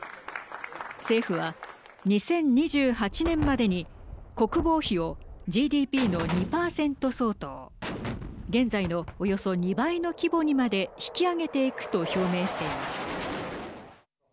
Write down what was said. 政府は、２０２８年までに国防費をＧＤＰの２％相当現在のおよそ２倍の規模にまで引き上げていくと表明しています。